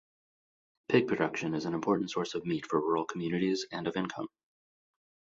Pig production is an important source of meat for rural communities and of income.